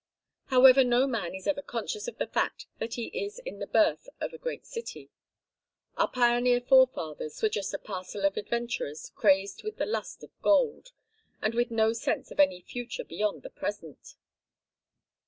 However, no man is ever conscious of the fact that he is in at the birth of a great city; our pioneer forefathers were just a parcel of adventurers crazed with the lust of gold, and with no sense of any future beyond the present."